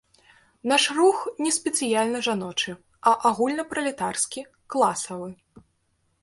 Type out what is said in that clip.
Наш рух не спецыяльна жаночы, а агульнапралетарскі, класавы.